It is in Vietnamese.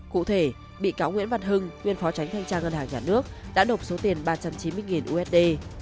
cụ thể bị cáo nguyễn văn hưng nguyên phó tránh thanh tra ngân hàng nhà nước đã nộp số tiền ba trăm chín mươi usd